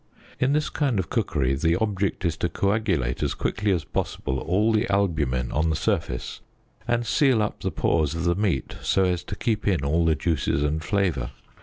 In this kind of cookery the object is to coagulate as quickly as possible all the albumen on the surface, and seal up the pores of the meat so as to keep in all the juices and flavour.